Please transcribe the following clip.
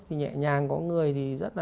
thì nhẹ nhàng có người thì rất là